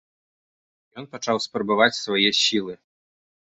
Ён пачаў спрабаваць свае сілы.